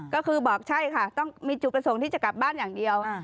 ก็คือบอกใช่ค่ะต้องมีจุดประสงค์ที่จะกลับบ้านอย่างเดียว